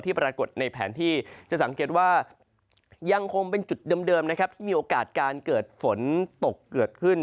ปรากฏในแผนที่จะสังเกตว่ายังคงเป็นจุดเดิมนะครับที่มีโอกาสการเกิดฝนตกเกิดขึ้น